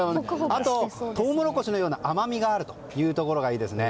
あと、トウモロコシのような甘みがあるところもいいですね。